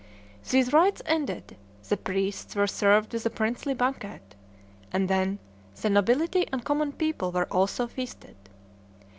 These rites ended, the priests were served with a princely banquet; and then the nobility and common people were also feasted.